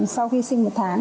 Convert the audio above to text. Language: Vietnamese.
sau khi sinh một tháng